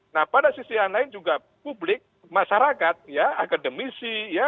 nah pada sisi lain juga publik masyarakat akademisi